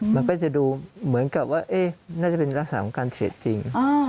มันก็จะดูเหมือนกับว่าน่าจะเป็นลักษณะของการเทรดจริง